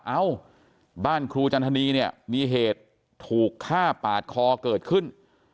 เอ้าบ้านครูจันทนีเนี่ยมีเหตุถูกฆ่าปาดคอเกิดขึ้น